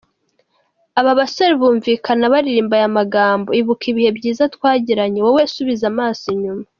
Aba basore bumvikana baririmba aya magambo “Ibuka ibihe byiza twagiranye, wowe subiza amaso inyuma.